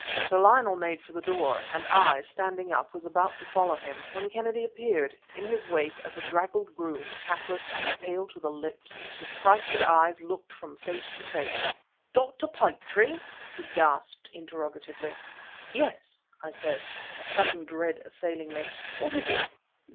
Sir Lionel made for the door, and I, standing up, was about to follow him, when Kennedy appeared, in his wake a bedraggled groom, hatless, and pale to the lips. His frightened eyes looked from face to face. "Dr. Petrie?" he gasped interrogatively. "Yes!" I said, a sudden dread assailing me. "What is it?"